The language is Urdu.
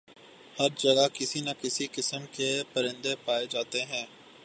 ہر جگہ کسی نہ کسی قسم کے پرندے پائے جاتے ہیں